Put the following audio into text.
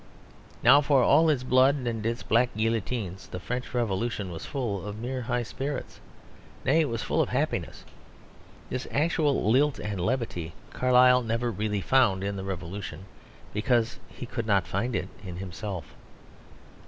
Now for all its blood and its black guillotines, the French Revolution was full of mere high spirits. Nay, it was full of happiness. This actual lilt and levity Carlyle never really found in the Revolution, because he could not find it in himself.